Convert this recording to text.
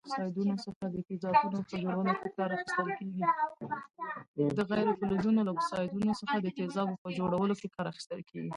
د غیر فلزونو له اکسایډونو څخه د تیزابونو په جوړولو کې کار اخیستل کیږي.